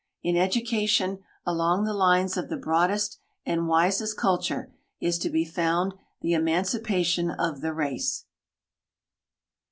In education along the lines of the broadest and wisest culture is to be found the emancipation of the race.